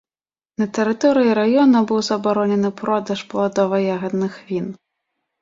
На тэрыторыі раёна быў забаронены продаж пладова-ягадных він.